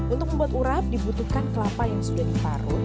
untuk membuat urap dibutuhkan kelapa yang sudah diparut